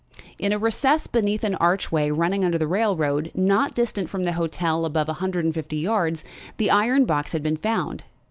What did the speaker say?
In a recess beneath an archway running under the railroad, not distant from the hotel above a hundred and fifty yards, the iron box had been found.